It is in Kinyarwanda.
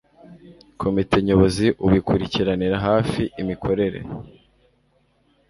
komite nyobozi ubu ikurikiranira hafi imikorere